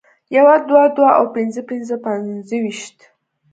يو دوه دوه او پنځه پنځه پنځویشت